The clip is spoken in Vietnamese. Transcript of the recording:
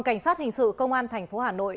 cảnh sát hình sự công an thành phố hà nội